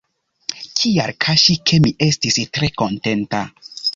Kial kaŝi, ke mi estis tre kontenta?.